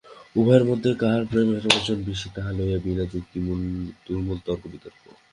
উভয়ের মধ্যে কাহার প্রেমের ওজন বেশি, তাহা লইয়া বিনা-যুক্তিমূলে তুমুল তর্কবিতর্ক।